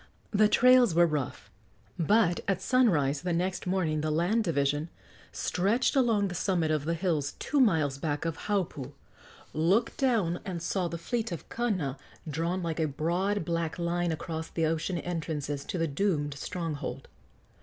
The trails were rough, but at sunrise the next morning the land division, stretched along the summit of the hills two miles back of Haupu, looked down and saw the fleet of Kana drawn like a broad, black line around the ocean entrances to the doomed stronghold.